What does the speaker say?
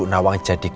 kita yang pilih